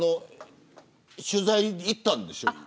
取材に行ったんでしょ。